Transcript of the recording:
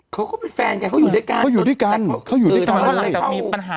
เขาก็เป็นแฟนกันเขาอยู่ด้วยกันเขาอยู่ด้วยกันเขาอยู่ด้วยกันแล้วอะไรกับเขามีปัญหา